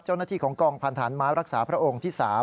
เจ้าหน้าที่ของกองพันธานม้ารักษาพระองค์ที่๓